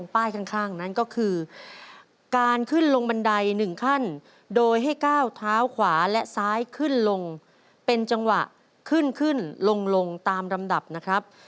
เป็นจังหวะขึ้นลงตามลำดับนะครับ